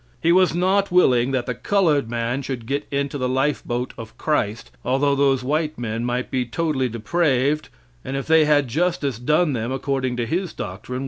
He was not willing that the colored man should get into the lifeboat of Christ, although those white men might be totally depraved, and if they had justice done them, according to his doctrine.